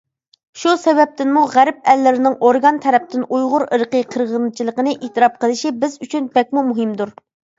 شۇ سەۋەبتىنمۇ غەرب ئەللىرىنىڭ ئورگان تەرەپتىن ئۇيغۇر ئىرقىي قىرغىنچىلىقىنى ئېتىراپ قىلىشى بىز ئۈچۈن بەكمۇ مۇھىمدۇر.